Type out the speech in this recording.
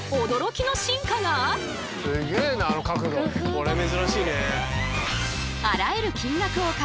これ珍しいね。